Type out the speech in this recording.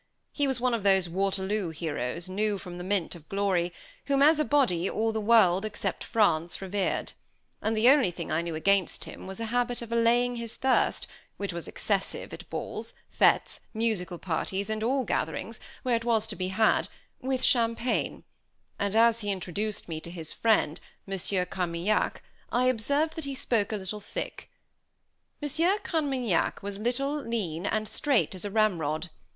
He was one of those Waterloo heroes, new from the mint of glory, whom, as a body, all the world, except France, revered; and the only thing I knew against him, was a habit of allaying his thirst, which was excessive at balls, fêtes, musical parties, and all gatherings, where it was to be had, with champagne; and, as he introduced me to his friend, Monsieur Carmaignac, I observed that he spoke a little thick. Monsieur Carmaignac was little, lean, and as straight as a ramrod.